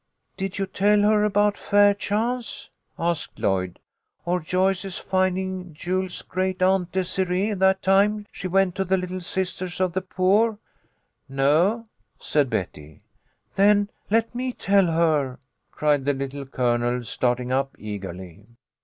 " Did you tell her about Fairchance ?" asked Lloyd, " or Joyce's finding Jules's great aunt Desire^ that time she went to the Little Sisters of the Poor?" " No," said Betty. " Then let me tell her," cried the Little Colonel starting up eagerly.